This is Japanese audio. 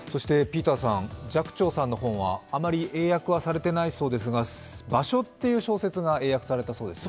寂聴さんの本はあまり英訳はされていないそうですが「場所」という小説が英訳されたそうですね。